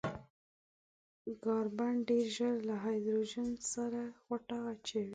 کاربن ډېر ژر له هايډروجن سره غوټه اچوي.